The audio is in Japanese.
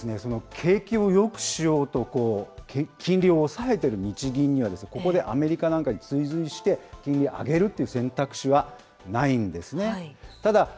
景気をよくしようと金利を抑えてる日銀には、ここでアメリカなんかに追随して、金利を上げるって選択肢はないんですね。